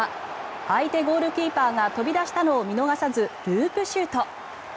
相手ゴールキーパーが飛び出したのを見逃さずループシュート。